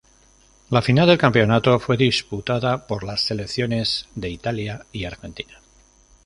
La final del campeonato fue disputada por las selecciones de Italia y Argentina.